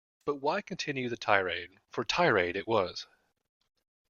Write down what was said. But why continue the tirade, for tirade it was.